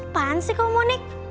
apaan sih kamu monik